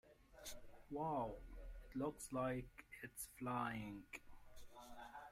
Wow! It looks like it is flying!